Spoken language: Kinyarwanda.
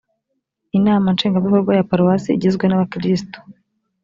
inama nshingwabikorwa ya paruwase igizwe nabakirisitu